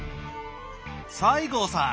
西郷さん！